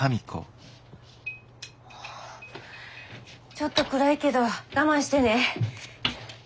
ちょっと暗いけど我慢してね。